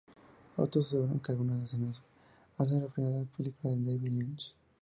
Otros aseguran que algunas escenas hacen referencia a las películas de David Lynch.